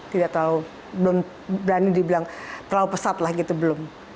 tidak terlalu belum berani dibilang terlalu pesat lah gitu belum